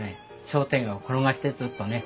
商店街を転がしてずっとね